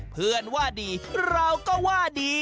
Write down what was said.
เพื่อนว่าดีเราก็ว่าดี